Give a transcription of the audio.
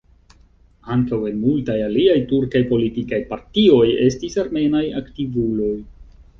Ankaŭ en multaj aliaj turkaj politikaj partioj estis armenaj aktivuloj.